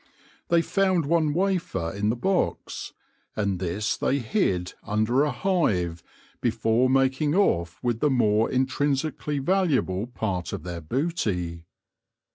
They found one wafer in the box, and this they hid under a hive before making ofi with the more intrinsically valuable part of their booty.